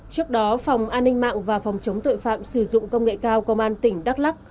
trước đó phòng an ninh mạng và phòng chống tội phạm sử dụng công nghệ cao công an tỉnh đắk lắc